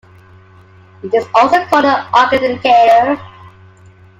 It is also called an arc-indicator.